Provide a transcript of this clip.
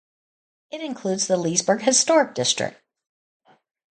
It includes the Leesburg Historic District.